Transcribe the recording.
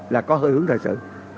là có hơi hướng thời sự